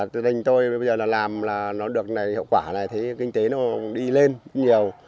gia đình tôi bây giờ làm được hiệu quả này kinh tế nó đi lên nhiều